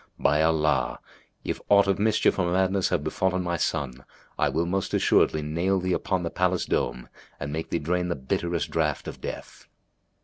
By Allah, if aught of mischief or madness have befallen my son I will most assuredly nail thee upon the palace dome and make thee drain the bitterest draught of death!''